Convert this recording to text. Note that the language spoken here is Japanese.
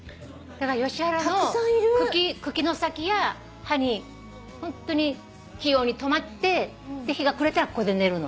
ヨシ原の茎の先や葉にホントに器用に止まって日が暮れたらここで寝るの。